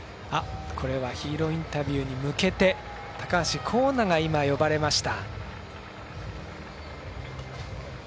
これはヒーローインタビューに向けて高橋光成が呼ばれました。